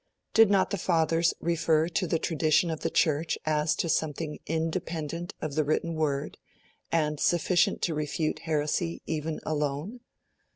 Did not the Fathers refer to the tradition of the Church as to something independent of the written word, and sufficient to refute heresy, even alone?